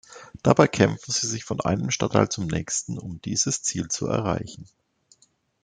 Dabei kämpfen sie sich von einem Stadtteil zum nächsten, um dieses Ziel zu erreichen.